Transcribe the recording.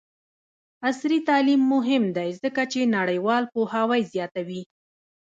عصري تعلیم مهم دی ځکه چې نړیوال پوهاوی زیاتوي.